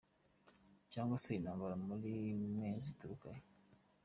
Cyangwa se intambara muri mwe zituruka he ?